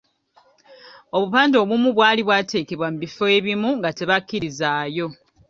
Obupande obumu bwali bwateekebwa mu bifo ebimu nga tebakkirizaayo.